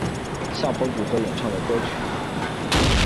吓跑组合演唱的歌曲。